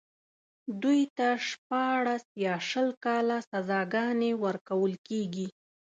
دوی ته شپاړس يا شل کاله سزاګانې ورکول کېږي.